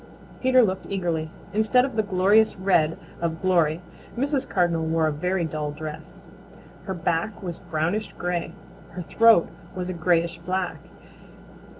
Peter looked eagerly. Instead of the glorious red of Glory, Mrs. Cardinal wore a very dull dress. Her back was a brownish gray. Her throat was a grayish black.